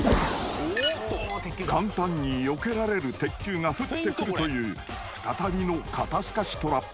［簡単によけられる鉄球が降ってくるという再びの肩透かしトラップが］